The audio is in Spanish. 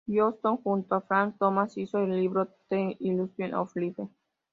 Johnston, junto a Frank Thomas, hizo el libro "The Illusion Of Life".